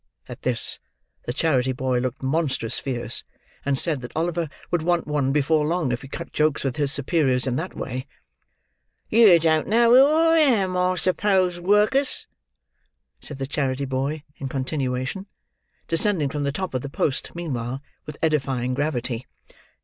At this, the charity boy looked monstrous fierce; and said that Oliver would want one before long, if he cut jokes with his superiors in that way. "Yer don't know who I am, I suppose, Work'us?" said the charity boy, in continuation: descending from the top of the post, meanwhile, with edifying gravity.